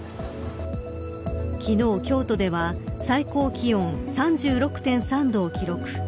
昨日、京都では最高気温３６．３度を記録。